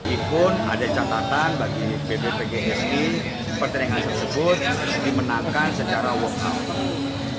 ini pun ada catatan bagi pb pgst pertandingan tersebut dimenangkan secara walk out